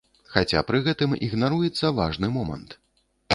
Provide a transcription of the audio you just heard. Хаця пры гэтым ігнаруецца важны момант.